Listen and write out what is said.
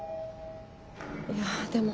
いやでも。